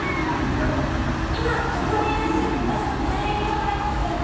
だから今ここにいらっしゃる皆さん全員占います。